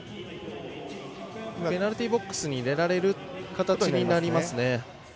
ペナルティーボックスに入れられる形になりますね。